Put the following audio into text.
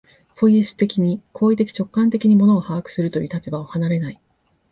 ポイエシス的に、行為的直観的に物を把握するという立場を離れない。